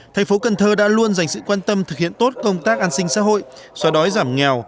thành phố cần thơ đã luôn dành sự quan tâm thực hiện tốt công tác an sinh xã hội xóa đói giảm nghèo